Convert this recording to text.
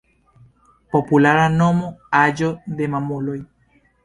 Populara nomo: Aĝo de Mamuloj.